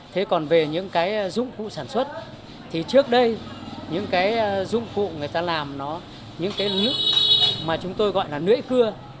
thế còn về những cái dụng cụ sản xuất thì trước đây những cái dụng cụ người ta làm nó những cái lướp mà chúng tôi gọi là lưỡi cưa